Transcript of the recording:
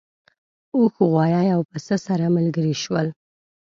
اوښ غوایی او پسه سره ملګري شول.